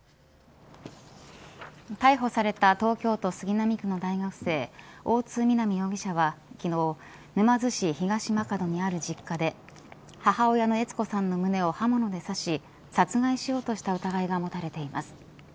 逮捕された東京都杉並区の大学生大津みなみ容疑者は昨日沼津市東間門にある実家で母親は恵津子さんの胸を刃物で刺し殺害しようとした疑いが持たれています。